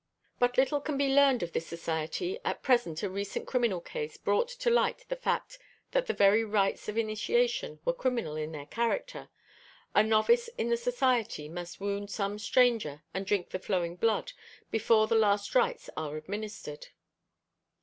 But little can be learned of this society, at present a recent criminal cases brought to light the fact that the very rites of initiation were criminal in their character, a novice in the society must wound some stranger and drink the flowing blood before the last rites are administered.